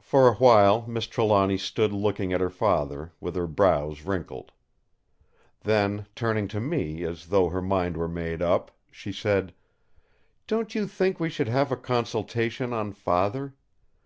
For a while Miss Trelawny stood looking at her father, with her brows wrinkled. Then, turning to me, as though her mind were made up, she said: "Don't you think we should have a consultation on Father?